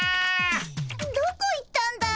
どこ行ったんだい？